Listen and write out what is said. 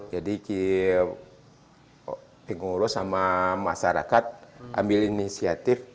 jadi pengurus sama masyarakat ambil inisiatif